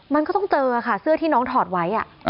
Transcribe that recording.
มันก็ต้องเจอค่ะเสื้อที่น้องถอดไว้